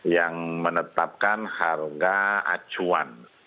yang menetapkan harga acuan